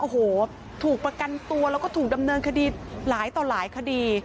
โอ้โหถูกประกันตัวแล้วก็ถูกดำเนินคดีหลายต่อหลายคดี